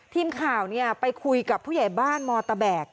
ทีมข่าวไปคุยกับผู้ใหญ่บ้านมตะแบก